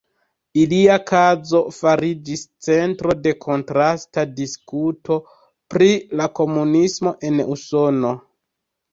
Ilia kazo fariĝis centro de kontrasta diskuto pri la komunismo en Usono.